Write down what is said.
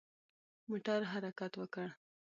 موټر حرکت وکړ.